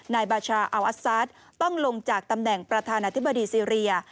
นายบาชาอัลอัสซาสต้องลงจากตำแหน่งประธานาธิบดีซีเรีย